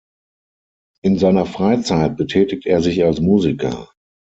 In seiner Freizeit betätigt er sich als Musiker.